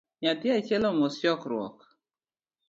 Nyathi achiel omos chokruok